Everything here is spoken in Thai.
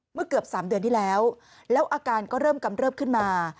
เมื่อเกือบ๓เดือนที่แล้วแล้วอาการก็เริ่มกำเริบขึ้นมา